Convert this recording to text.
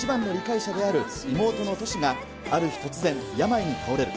自由奔放な賢治の一番の理解者である妹のトシが、ある日突然、病に倒れる。